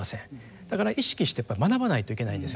だから意識してやっぱり学ばないといけないですよね。